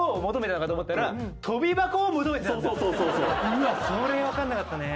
うわっそれ分かんなかったね。